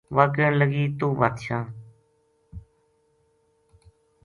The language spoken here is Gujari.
واہ کہن لگی توہ بادشاہ